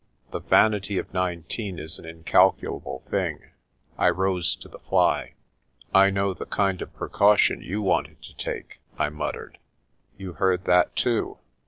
The vanity of nineteen is an incalculable thing. I rose to the fly. "I know the kind of precaution you wanted to take," I muttered. "You heard that too?